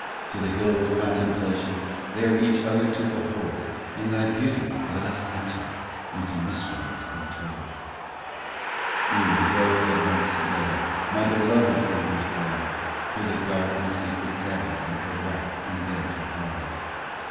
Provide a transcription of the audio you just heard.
POEMS 263 To the hill of contemplation, There each other to behold In Thy beauty : Let us enter Into mysteries untold. 37 We will go at once together, My Beloved and His bride, To the dark and secret caverns Of the rock, and there to hide.